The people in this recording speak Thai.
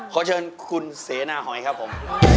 ขอเชิญคุณเสนาหอยครับผม